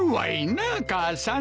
なあ母さん。